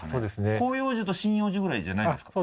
広葉樹と針葉樹ぐらいじゃないんですか？